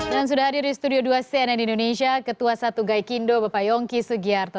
dan sudah hadir di studio dua cnn indonesia ketua satu gaikindo bapak yongki sugiarto